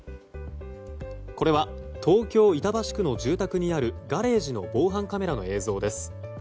これは東京・板橋区の住宅にあるガレージの防犯カメラの映像です。